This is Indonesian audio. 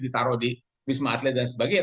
ditaruh di wisma atlet dan sebagainya